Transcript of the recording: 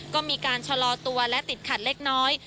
ก็มีการชะลอตัวและติดขัดเล็กน้อย